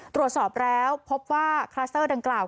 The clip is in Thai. ตรวจสอบแล้วพบว่าคลัสเตอร์ดังกล่าว